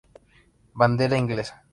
Bandera inglesa.